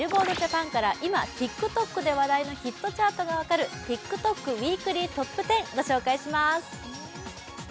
Ｂｉｌｌｂｏａｒｄから今ＴｉｋＴｏｋで話題のヒットチャートが分かるＴｉｋＴｏｋＷｅｅｋｌｙＴｏｐ１０をご紹介します。